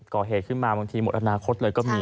ก่อเหตุขึ้นมาบางทีหมดอนาคตเลยก็มี